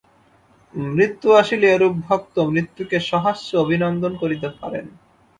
মৃত্যু আসিলে এরূপ ভক্ত মৃত্যুকে সহাস্যে অভিনন্দন করিতে পারেন।